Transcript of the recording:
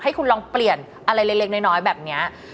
ให้คุณลองเปลี่ยนอะไรเล็กน้อยแบบนี้